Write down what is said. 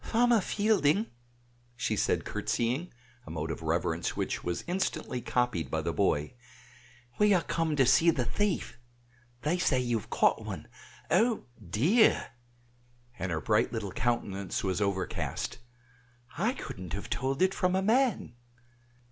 "Farmer Fielding," said she curtsying, a mode of reverence which was instantly copied by the boy, "we are come to see the thief; they say you have caught one. Oh, dear!" (and her bright little countenance was overcast), "I couldn't have told it from a man!"